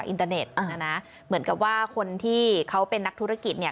อินเตอร์เน็ตนะนะเหมือนกับว่าคนที่เขาเป็นนักธุรกิจเนี่ย